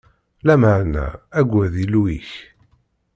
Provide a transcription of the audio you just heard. Lameɛna agad Illu-ik.